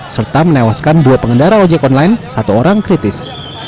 serta menewaskan dua pengendara ojek online satu orang kritis